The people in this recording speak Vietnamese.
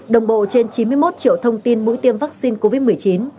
đồng bộ trên chín mươi một triệu thông tin mũi tiêm vaccine covid một mươi chín